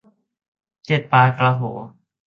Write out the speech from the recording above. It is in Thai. เกล็ดปลากระโห้